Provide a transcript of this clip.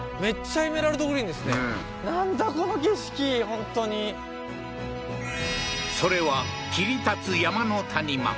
本当にそれは切り立つ山の谷間